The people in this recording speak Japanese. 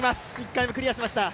１回目、クリアしました。